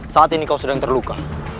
saat ini kau sedang terluka